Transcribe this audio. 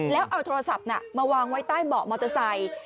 แล้วเอาโทรศัพท์มาวางไว้ใต้เบาะมอเตอร์ไซค์